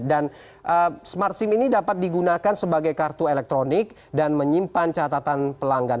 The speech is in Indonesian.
dan smart sim ini dapat digunakan sebagai kartu elektronik dan menyimpan catatan pelanggan